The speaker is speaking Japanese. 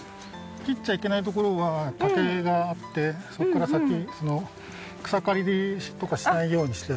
切っちゃいけないところは竹があってそこから先草刈りとかしないようにしてある。